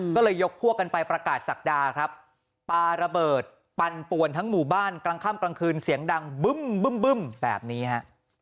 ก็เลยยกพวกกันไปประกาศศักดาครับปาระเบิดปันปวนทั้งหมู่บ้านกลางค่ำกลางคืนเสียงดังบึ้มแบบนี้ฮะ